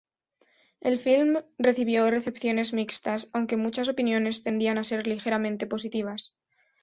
El film recibió recepciones mixtas, aunque muchas opiniones tendían a ser ligeramente positivas.